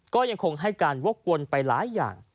ก็ยังคงให้การวกวนไปหลายอย่าง